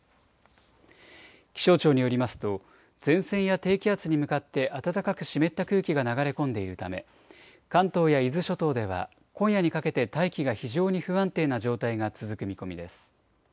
気象庁によりますと、前線や低気圧に向かって暖かく湿った空気が流れ込んでいるため、関東や伊豆諸島では今夜にかけて大気が非常に不安定な状態が続く見込みです。